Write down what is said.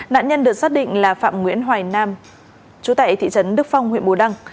nạn nhân được xác định là phạm nguyễn hoài nam